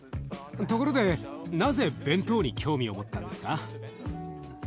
ところでなぜ弁当に興味を持ったんですか？